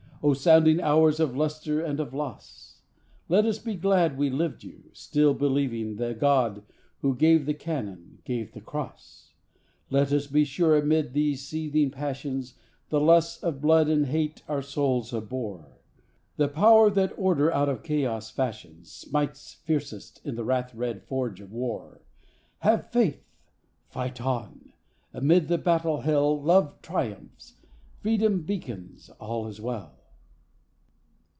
Oh sounding hours of lustre and of loss! Let us be glad we lived you, still believing The God who gave the cannon gave the Cross. Let us be sure amid these seething passions, The lusts of blood and hate our souls abhor: The Power that Order out of Chaos fashions Smites fiercest in the wrath red forge of War. ... Have faith! Fight on! Amid the battle hell Love triumphs, Freedom beacons, all is well.